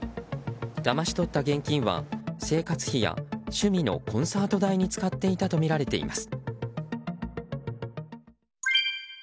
だまし取った現金は、生活費や趣味のコンサート代に使っていたとみられています。